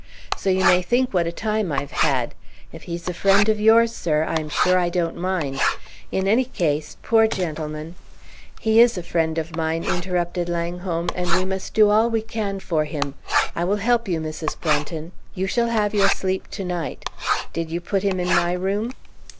So you may think what a time I've had! If he's a friend of yours, sir, I'm sure I don't mind. In any case, poor gentleman " "He is a friend of mine," interrupted Langholm, "and we must do all we can for him. I will help you, Mrs. Brunton. You shall have your sleep to night. Did you put him into my room?"